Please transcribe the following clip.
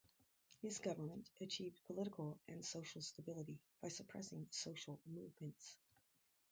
His government achieved political and social stability by suppressing social movements.